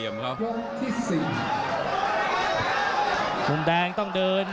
มุมแดงต้องเดิน